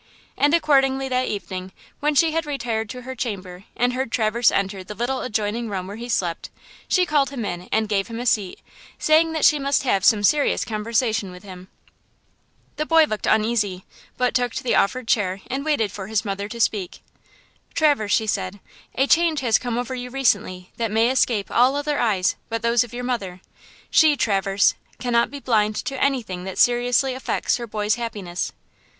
And accordingly that evening, when she had retired to her chamber and heard Traverse enter the little adjoining room where he slept, she called him in, and gave him a seat, saying that she must have some serious conversation with him. The boy looked uneasy, but took the offered chair and waited for his mother to speak. "Traverse," she said, "a change has come over you recently that may escape all other eyes but those of your mother; she, Traverse, cannot be blind to anything that seriously affects her boy's happiness."